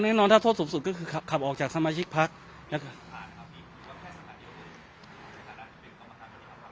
แน่นอนถ้าโทษสูงสุดก็คือขับออกจากสมาชิกพักอีก